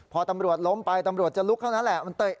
พอตำรวจล้มไปตำรวจจะลุกข้างนั้นแหละ